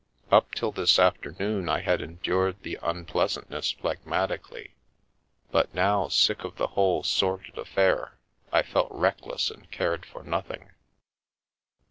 Up till this afternoon I had endured the un pleasantness phlegmatically, but now, sick of the whole sordid affair, I felt reckless and cared for nothing.